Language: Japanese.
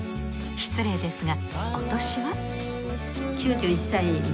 失礼ですがお年は？